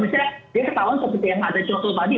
misalnya dia ketahuan seperti yang ada contoh tadi